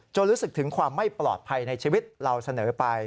รู้สึกถึงความไม่ปลอดภัยในชีวิตเราเสนอไป